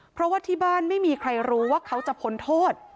เพราะว่าที่บ้านไม่มีใครรู้ว่าเขาจะพ้นโทษ